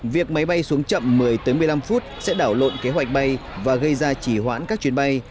việc máy bay xuống chậm một mươi một mươi năm phút sẽ đảo lộn kế hoạch bay và gây ra chỉ hoãn các chuyến bay